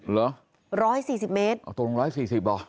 เหรอร้อยสี่สิบเมตรอ๋อตกลงร้อยสี่สิบเหรอ